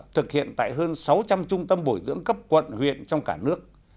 thực hiện tại hơn sáu trăm linh trung tâm bồi dưỡng cấp quận huyện trong cả nước